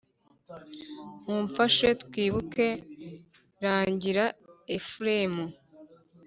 mumfashe twibuke rangira ephraim